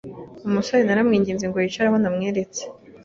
umusore naramwinginze ngo yicare aho namweretse